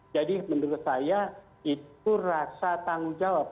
jadi menurut saya itu rasa tanggung jawab